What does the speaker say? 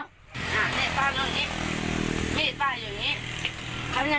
อ่านี่ป้านอนอย่างงี้นี่ป้าอยู่อย่างงี้